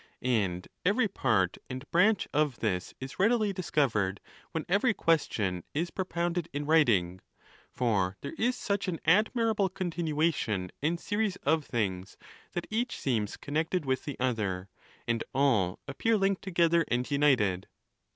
And every part and branch of this is readily discovered when every question is propounded in writing ; for tkere is such an admirable continuation and series of things that each seems connected with the other, and all appear linked together and united.